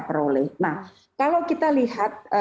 peroleh nah kalau kita lihat